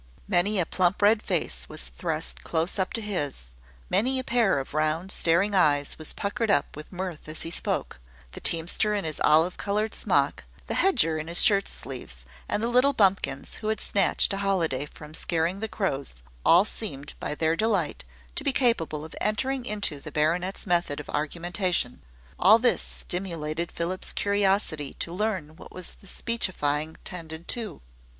Many a plump red face was thrust close up to his many a pair of round staring eyes was puckered up with mirth as he spoke: the teamster in his olive coloured smock, the hedger in his shirt sleeves, and the little bumpkins who had snatched a holiday from scaring the crows, all seemed, by their delight, to be capable of entering into the baronet's method of argumentation. All this stimulated Philip's curiosity to learn what the speechifying tended to.